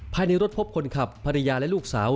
ภายในรถพบคนขับภรรยาและลูกสาว